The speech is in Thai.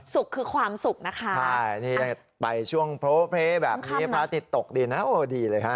สุขคือความสุขนะคะใช่นี่ไปช่วงโพลเพลแบบนี้พระอาทิตย์ตกดีนะโอ้ดีเลยฮะ